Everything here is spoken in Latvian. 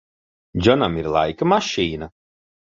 Džonam ir laika mašīna?